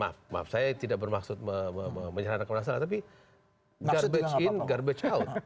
maaf maaf saya tidak bermaksud menyerah kemarauan tapi garbage in garbage out